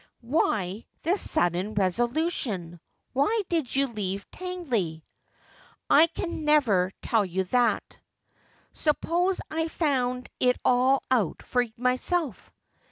' Why this sudden resolution 1 Why did you leave Tangley 1 '' I can never tell you that.' ' Suppose I have found it all out for myself